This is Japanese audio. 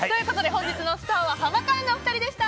本日のスターはハマカーンのお二人でした。